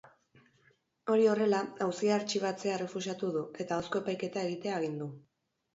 Hori horrela, auzia artxibatzea errefusatu du, eta ahozko epaiketa egitea agindu.